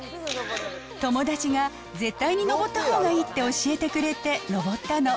友達が絶対に登ったほうがいいって教えてくれて登ったの。